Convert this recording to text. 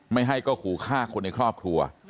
ไม่ให้ก็ขู่ฆ่าคนในครอบครัว